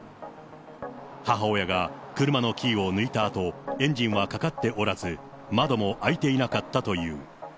母親が車のキーを抜いたあと、エンジンはかかっておらず、窓も開いていなかったという。